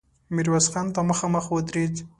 ميرويس خان ته مخامخ ودرېد.